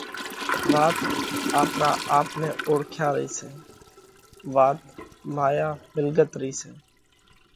وات آپرا آپ نئہ اوۯکيا رئِي سئہ! وات مايا مِلڳت رئِي سئہ!